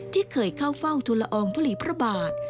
ที่เคยเข้าเฝ้าทุลอองทุลีพระบาท